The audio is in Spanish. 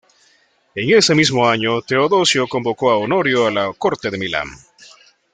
En ese mismo año Teodosio convocó a Honorio a la corte de Milán.